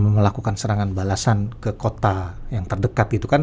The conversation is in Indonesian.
melakukan serangan balasan ke kota yang terdekat gitu kan